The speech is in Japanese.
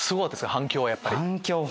反響はやっぱり。